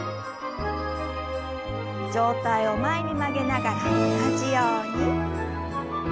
上体を前に曲げながら同じように。